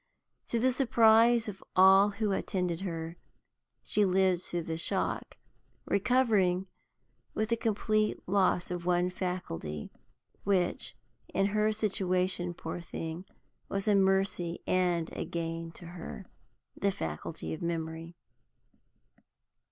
To the surprise of all who attended her, she lived through the shock, recovering with the complete loss of one faculty, which, in her situation, poor thing, was a mercy and a gain to her the faculty of memory.